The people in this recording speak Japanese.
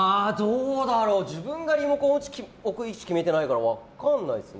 自分がリモコン置く位置を決めてないから分からないっすね。